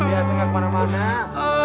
dia tinggal kemana mana